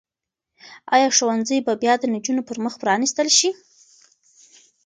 آیا ښوونځي به بیا د نجونو پر مخ پرانیستل شي؟